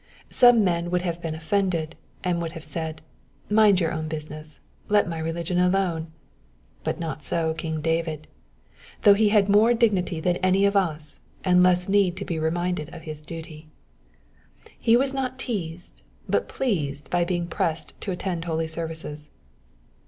Some men would have been offended, and would have said, " Mind your own business. Let my religion alone ;" but not so King David, though he had more dignity than any of us, and less need to be reminded of his duty. He was not teased but pleased by being pressed to attend holy services.